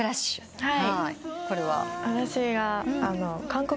はい。